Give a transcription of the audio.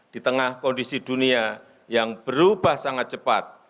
di tengah kondisi dunia yang berubah sangat cepat